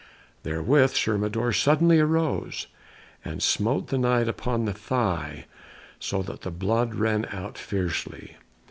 Therewith Sir Mador suddenly rose, and smote the Knight upon the thigh, so that the blood ran out fiercely.